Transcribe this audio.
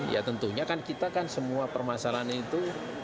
ya tentunya kan kita kan semua permasalahan itu